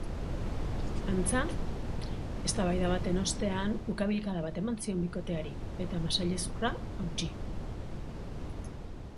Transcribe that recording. Antza, eztabaida baten ostean ukabilkada bat eman zion bikoteari eta masailezurra hautsi.